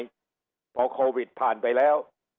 ณโพวิทย์ผ่านไปแล้ว